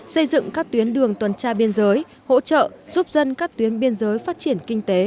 xây dựng các tuyến đường tuần tra biên giới hỗ trợ giúp dân các tuyến biên giới phát triển kinh tế